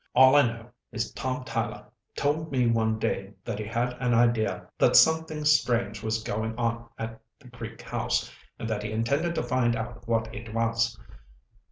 All I know is Tom Tyler told me one day that he had an idea that something strange was going on at the Creek House, and that he intended to find out what it was.